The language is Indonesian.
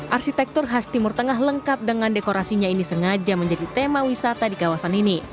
arsitektur khas timur tengah lengkap dengan dekorasinya ini sengaja menjadi tema wisata di kawasan ini